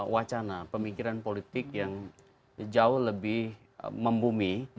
wacana pemikiran politik yang jauh lebih membumi